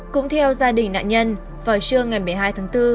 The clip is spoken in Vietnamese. cũng theo gia đình nạn nhân vào trưa ngày một mươi hai tháng bốn